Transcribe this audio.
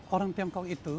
orang tiangkau itu